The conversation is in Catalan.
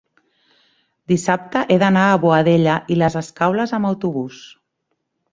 dissabte he d'anar a Boadella i les Escaules amb autobús.